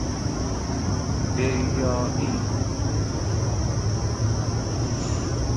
بیریائی